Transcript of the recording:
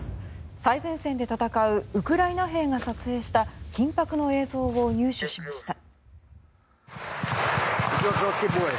最前線で戦うウクライナ兵が撮影した緊迫の映像を入手しました。